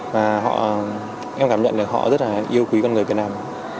và em cảm nhận được họ rất là yêu quý con người việt nam